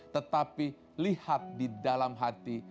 tetapi lihat di dalam hati